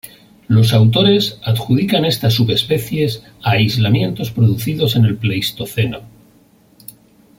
Los autores adjudican estas subespecies a aislamientos producidos en el Pleistoceno.